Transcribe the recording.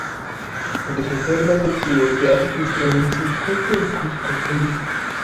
El ejemplar más antiguo que se ha registrado se encuentra en Cuzco, Perú.